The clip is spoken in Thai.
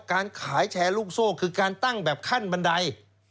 การขายแชร์ลูกโซ่คือการตั้งแบบขั้นบันได